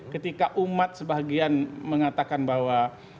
ketika umat sebagian mengatakan bahwa